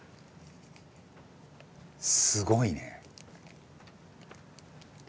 すごいね。